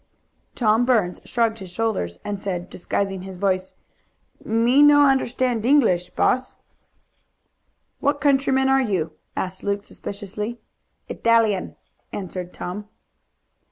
Tom Burns shrugged his shoulders, and said, disguising his voice, "Me no understand English, boss." "What countryman are you?" asked Luke suspiciously. "Italian," answered Tom.